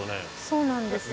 そうなんです。